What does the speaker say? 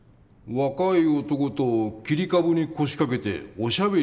若い男と切り株に腰掛けておしゃべりしてたよ。